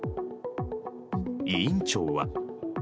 委員長は。